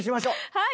はい！